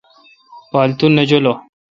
پاتو نہ جولو۔